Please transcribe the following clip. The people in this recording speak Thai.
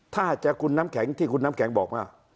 ถ้าจะคุณน้ำแข็งที่คุณน้ำแข็งบอกว่า